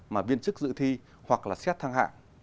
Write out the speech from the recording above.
mà viên chức dự thi hoặc là xét thăng hạng